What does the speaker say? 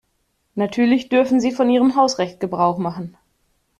Natürlich dürfen Sie von Ihrem Hausrecht Gebrauch machen.